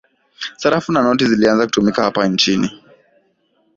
sarafu na noti zilianza kutumika hapa nchinii